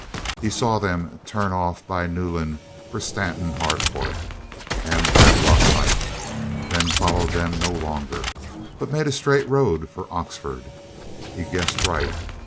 He saw them turn off by Newland for Stanton Harcourt and Bab lockhithe, then followed them no longer, but made a straight road for Oxford. He guessed right.